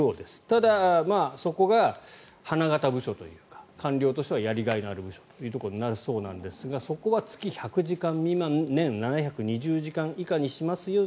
ただ、そこが花形部署というか官僚としてはやりがいのある部署というところになるんだそうですがそこは月１００時間未満年７２０時間以下にしますよ